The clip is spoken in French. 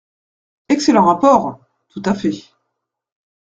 Excellent rapport ! Tout à fait.